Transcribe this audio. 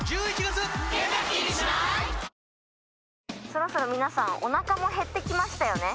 そろそろ皆さんお腹もへって来ましたよね？